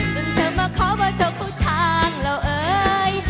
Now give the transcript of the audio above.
จนเธอมาขอว่าเธอเข้าทางแล้วเอ้ย